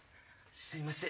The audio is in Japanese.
すいません。